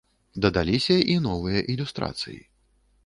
Дадаліся і новыя ілюстрацыі.